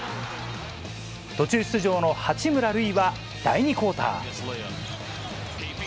途中出場の八村塁は第２クオーター。